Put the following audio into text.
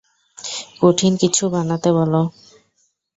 কঠিন কিছু বানাতে বলো।